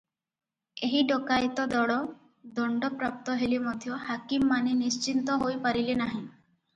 ଏହି ଡକାଏତ ଦଳ ଦଣ୍ଡ ପ୍ରାପ୍ତ ହେଲେ ମଧ୍ୟ ହାକିମମାନେ ନିଶ୍ଚିନ୍ତ ହୋଇ ପାରିଲେ ନାହିଁ ।